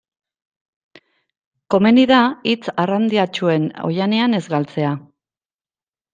Komeni da hitz arrandiatsuen oihanean ez galtzea.